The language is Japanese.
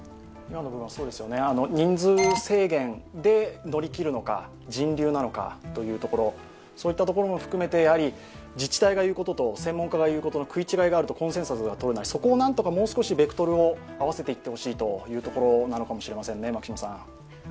人数制限で乗り切るのか、人流なのかというところ、そういったところも含めて自治体が言うことと専門家が言うことの食い違いがあるとコンセンサスがとれないそこを何とかもう少しベクトルを合わせていってほしいというところなのかもしれませんね。